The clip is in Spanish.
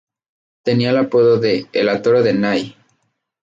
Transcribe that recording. Tenía el apodo de "el toro de Nay".